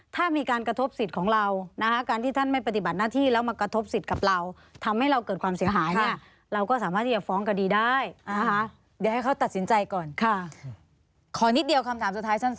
ถ้ามีการกระทบสิทธิ์ของเรา